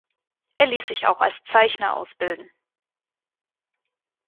Er ließ sich auch als Zeichner ausbilden.